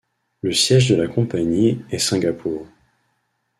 Le siège de la compagnie est Singapour.